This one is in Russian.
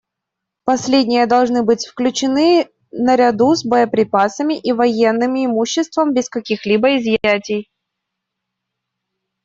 Последние должны быть включены наряду с боеприпасами и военным имуществом без каких-либо изъятий.